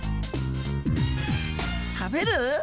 食べる！？